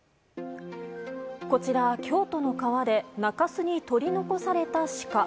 こちらは京都の川で中州に取り残されたシカ。